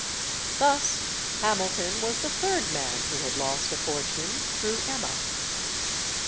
Thus, Hamilton was the third man who had lost a fortune through Emma.